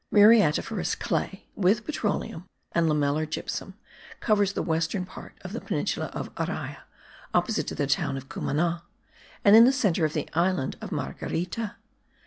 Muriatiferous clay (with petroleum and lamellar gypsum) covers the western part of the peninsula of Araya, opposite to the town of Cumana, and in the centre of the island of Marguerita.